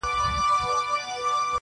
خو قوت یې وو زبېښلی څو کلونو -